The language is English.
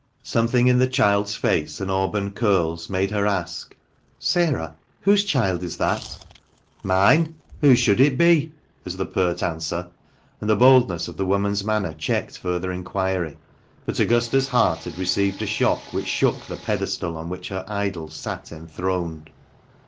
Something in the child's face and auburn curls made her ask, " Sarah, whose child is that ?"" Mine. Whose should it be ?" was the pert answer ; and the boldness of the woman's manner checked further inquiry. But Augusta's heart had received a shock which shook the pedestal on which her idol sat enthroned.